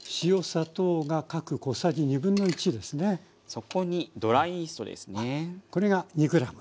そこにドライイーストですね。